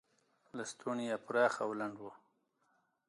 لستوڼي یې پراخ او لنډ و.